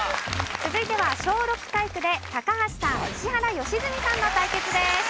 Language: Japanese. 続いては小６体育で高橋さん石原良純さんの対決です。